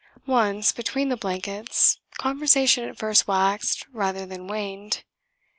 Once between the blankets, conversation at first waxed rather than waned.